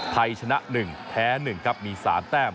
ไทยชนะ๑แพ้๑ครับมี๓แต้ม